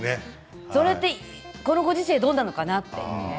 それってこのご時世どうなのかなっていうね。